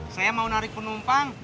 saya mau narik penumpang